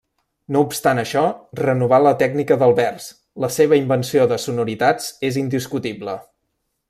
No obstant això, renovà la tècnica del vers, la seva invenció de sonoritats és indiscutible.